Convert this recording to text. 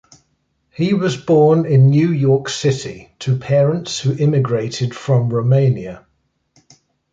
He was born in New York City to parents who immigrated from Romania.